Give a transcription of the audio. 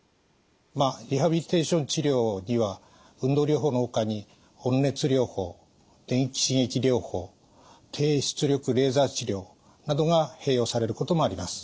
まあリハビリテーション治療には運動療法のほかに温熱療法電気刺激療法低出力レーザー治療などが併用されることもあります。